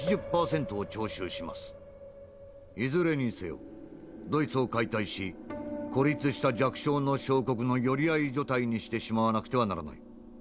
いずれにせよドイツを解体し孤立した弱小の小国の寄り合い所帯にしてしまわなくてはならない」。